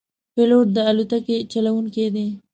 پیلوټ د الوتکې چلوونکی دی.